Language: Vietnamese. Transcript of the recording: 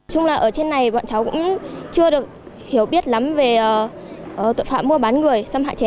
chúng là ở trên này bọn cháu cũng chưa được hiểu biết lắm về tội phạm mua bán người